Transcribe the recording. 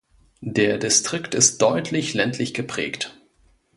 Der Distrikt ist deutlich ländlich geprägt.